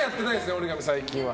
折り紙、最近は。